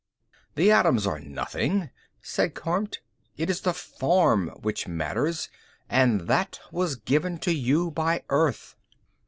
"The atoms are nothing," said Kormt. "It is the form which matters, and that was given to you by Earth."